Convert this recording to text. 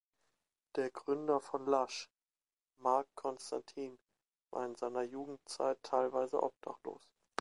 Der Gründer von Lush, Mark Constantine, war in seiner Jugendzeit teilweise obdachlos.